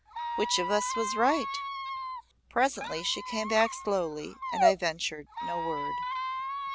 Which of us was right? presently she came back slowly and I ventured no word.